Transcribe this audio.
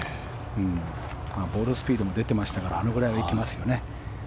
ボールスピードも出てましたからあのくらいは行きますよね。